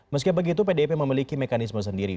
meski begitu pdip memiliki mekanisme sendiri